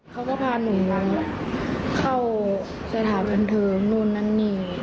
เขาก็พาหนูนั้นเขาสถานกันเถิมนู่นนั้นหนี